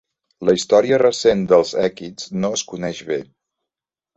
La història recent dels èquids no es coneix bé.